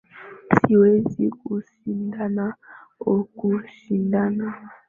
Siwezi kushindana, oh kushindana